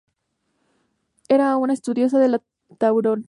Jean Cau era un entusiasta de la tauromaquia.